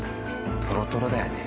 トロトロだよね。